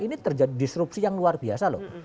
ini terjadi disrupsi yang luar biasa loh